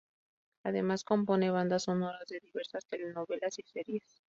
Además compone bandas sonoras de diversas telenovelas y series.